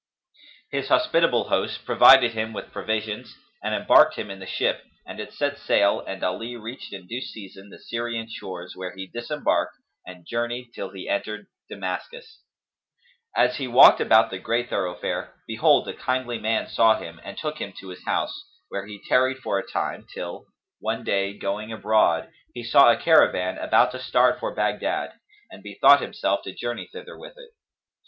His hospitable host provided him with provision and embarked him in the ship; and it set sail and Ali reached in due season the Syrian shores where he disembarked and journeyed till he entered Damascus. As he walked about the great thoroughfare behold, a kindly man saw him and took him to his house, where he tarried for a time till, one day, going abroad, he saw a caravan about to start for Baghdad and bethought himself to journey thither with it.